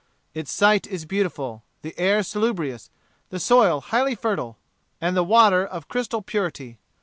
Its site is beautiful, the air salubrious, the soil highly fertile, and the water of crystal purity.